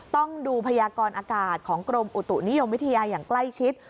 ต้องดูพยากรอากาศของกรมอุตุนิยมวิทยาอย่างใกล้ชิด